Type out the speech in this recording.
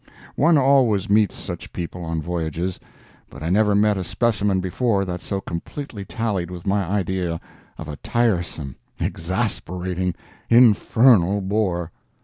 One always meets such people on voyages, but I never met a specimen before that so completely tallied with my idea of a tiresome, exasperating, infernal bore.